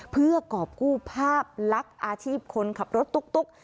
เพื่อกรอบกู้ภาพลักษณ์อาชีพคนขับรถตุ๊ก